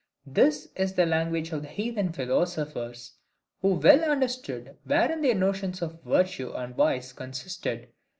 This is the language of the heathen philosophers, who well understood wherein their notions of virtue and vice consisted.